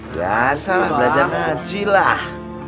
biasalah belajar ngaji lah